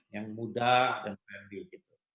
yang mudah dan friendly gitu